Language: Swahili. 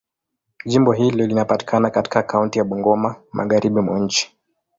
Jimbo hili linapatikana katika kaunti ya Bungoma, Magharibi mwa nchi.